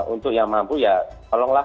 untuk yang mampu ya tolonglah